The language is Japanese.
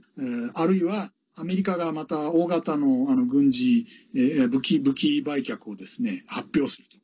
あるいは、アメリカがまた大型の軍事武器売却を発表すると。